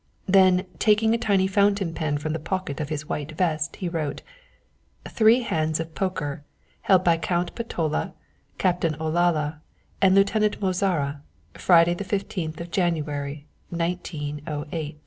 Then, taking a tiny fountain pen from the pocket of his white vest, he wrote: Three hands at Poker, held by Count Petola, Captain Olalla, and Lieutenant Mozara Friday the fifteenth of January 1908.